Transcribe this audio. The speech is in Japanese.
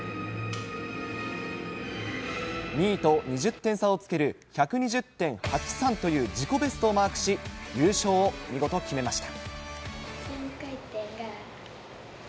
２位と２０点差をつける１２０．８３という自己ベストをマークし、優勝を見事決めました。